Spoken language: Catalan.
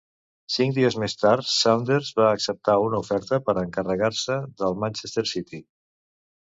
Cinc dies més tard, Saunders va acceptar una oferta per encarregar-se del Manchester City.